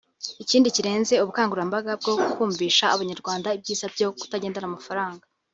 Ikindi kirenze ubukangurambaga bwo kumvisha Abanyarwanda ibyiza byo kutagendana amafaranga